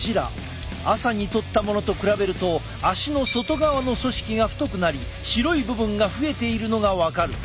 朝に撮ったものと比べると足の外側の組織が太くなり白い部分が増えているのが分かる。